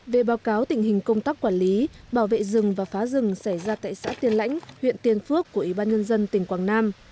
về báo cáo tình hình công tác quản lý bảo vệ rừng và phá rừng xảy ra tại xã tiên lãnh huyện tiên phước của ủy ban nhân dân tỉnh quảng nam